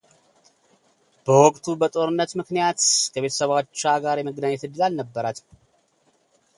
በወቅቱ በጦርነት ምክንያት ከቤተሰቦቿ ጋር የመገናኘት ዕድል አልነበራትም።